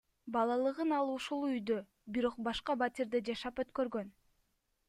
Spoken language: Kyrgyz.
Балалыгын ал ушул үйдө, бирок башка батирде жашап өткөргөн.